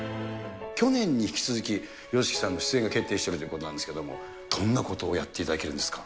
去年に引き続き、ＹＯＳＨＩＫＩさんの出演が決定してるんでございますけれども、どんなことをやっていただけるんですか？